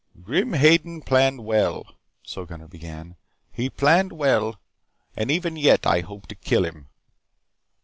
"Grim Hagen planned well." (So Gunnar began). "He planned well, and even yet I hope to kill him.